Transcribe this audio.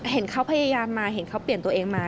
เห็นเขาพยายามมาเห็นเขาเปลี่ยนตัวเองมา